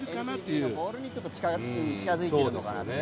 ＷＢＣのボールに近づいているのかなって。